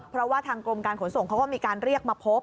เพราะว่าทางกรมการขนส่งเขาก็มีการเรียกมาพบ